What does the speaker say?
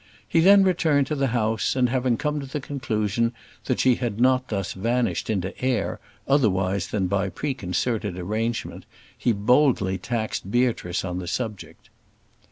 He then returned to the house; and, having come to the conclusion that she had not thus vanished into air, otherwise than by preconcerted arrangement, he boldly taxed Beatrice on the subject.